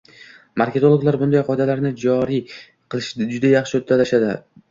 Marketologlar bunday qoidalarni joriy qilishni juda yaxshi uddalashadi